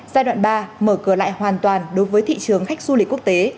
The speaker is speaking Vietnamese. giai đoạn ba mở cửa lại hoàn toàn đối với thị trường khách du lịch quốc tế